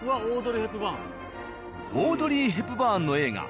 オードリー・ヘプバーンの映画